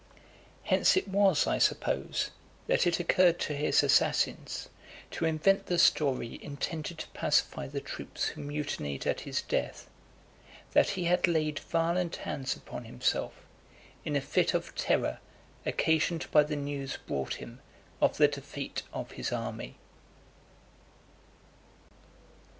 Hence it was, I suppose, that it occurred to his assassins, to invent the story intended to pacify the troops who mutinied at his death, that he had laid violent hands upon himself, in a fit of terror occasioned by the news brought him of the defeat of his army.